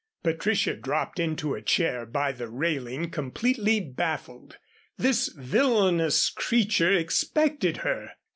Patricia dropped into a chair by the railing completely baffled. This villainous creature expected her!